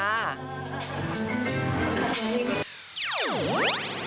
ให้โอเค